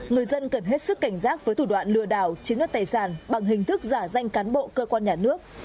người dân cần hết sức cảnh giác với thủ đoạn lừa đảo chiếm đoạt tài sản bằng hình thức giả danh cán bộ cơ quan nhà nước